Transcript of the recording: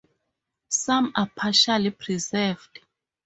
Some are partially preserved.